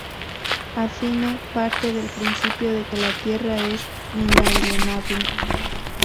A. Fine, parte del principio de que la tierra es inalienable.